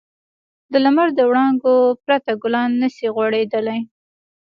د لمر د وړانګو پرته ګلان نه شي غوړېدلی.